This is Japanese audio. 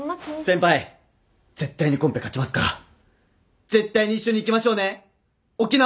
先輩絶対にコンペ勝ちますから絶対に一緒に行きましょうね沖縄！